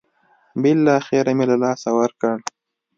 بالاخره مې له لاسه ورکړ.